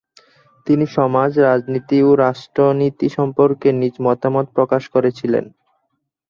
তিনি সমাজ, রাজনীতি ও রাষ্ট্রনীতি সম্পর্কে নিজ মতামত প্রকাশ করেছিলেন।